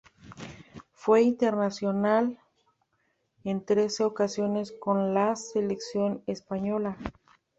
Fue internacional en trece ocasiones con la selección española.